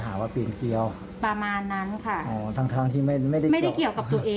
ไม่ได้เกี่ยวกับตัวเองเลย